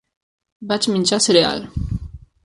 Vaig menjar cereal.